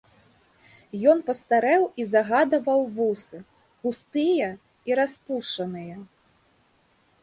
Ён пастарэў і загадаваў вусы, густыя і распушаныя.